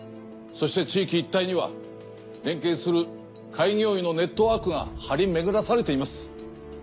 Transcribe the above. そして地域一帯には連携する開業医のネットワークが張り巡らされています。